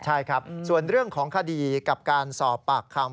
ใช่ครับส่วนเรื่องของคดีกับการสอบปากคำ